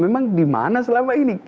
memang di mana selama ini